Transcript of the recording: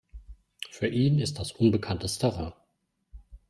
Für ihn ist das unbekanntes Terrain.